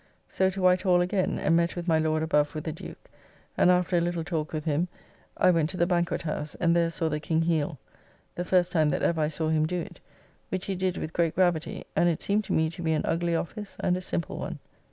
So to Whitehall again and, met with my Lord above with the Duke; and after a little talk with him, I went to the Banquethouse, and there saw the King heal, the first time that ever I saw him do it; which he did with great gravity, and it seemed to me to be an ugly office and a simple one.